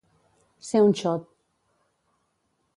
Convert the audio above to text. Ser un xot.